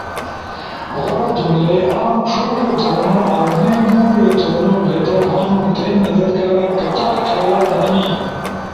غورا جملئی، عام ݜوڙی تھونو اؤ نئی موڙی تھونو بہتر ہنو۔ تھئی مدد کارا کچاک خیالات ہنی۔